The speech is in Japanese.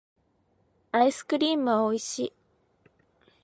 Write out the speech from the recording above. アイスクリームはおいしい